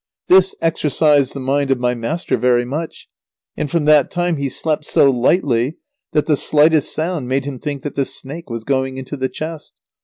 This exercised the mind of my master very much, and from that time he slept so lightly that the slightest sound made him think that the snake was going into the chest.